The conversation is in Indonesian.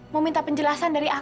dia ingin menjelaskan saya